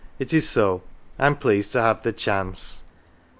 " It is so ; I'm pleased to have the chance."